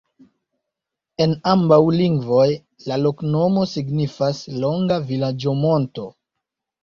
En ambaŭ lingvoj la loknomo signifas: longa vilaĝo-monto.